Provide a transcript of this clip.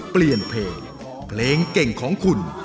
เปลี่ยนเพลงเพลงเก่งของคุณ